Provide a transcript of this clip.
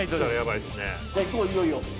いよいよ。